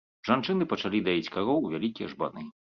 Жанчыны пачалі даіць кароў у вялікія жбаны.